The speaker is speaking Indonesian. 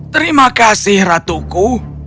terima kasih ratuku